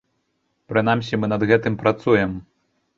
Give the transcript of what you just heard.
Прынамсі, мы над гэтым працуем.